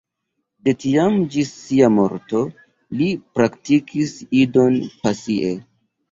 De tiam ĝis sia morto, li praktikis Idon pasie.